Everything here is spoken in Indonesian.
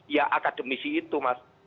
ya akademisi itu mas